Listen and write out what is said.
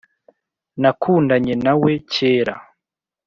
nakundanye nawe kera